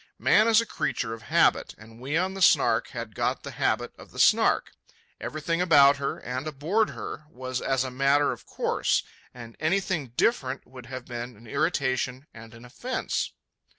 Man is a creature of habit, and we on the Snark had got the habit of the Snark. Everything about her and aboard her was as a matter of course, and anything different would have been an irritation and an offence.